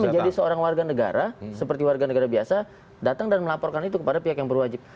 menjadi seorang warga negara seperti warga negara biasa datang dan melaporkan itu kepada pihak yang berwajib